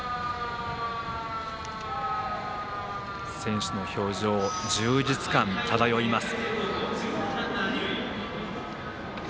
選手の表情、充実感漂います。